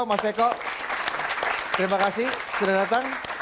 mas eko terima kasih sudah datang